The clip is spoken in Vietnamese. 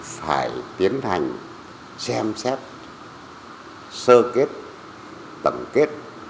phải tiến hành xem xét sơ kết tẩm kết